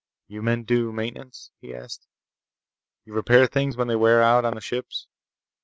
"You men do maintenance?" he asked. "You repair things when they wear out on the ships?